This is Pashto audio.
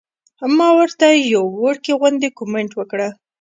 ما ورته يو وړوکے غوندې کمنټ وکړۀ -